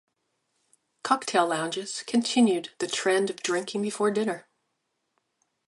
Cocktail lounges continued the trend of drinking before dinner.